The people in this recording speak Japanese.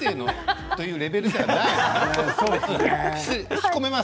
引っ込めます。